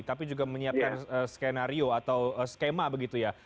tapi juga menyiapkan skenario atau skema begitu ya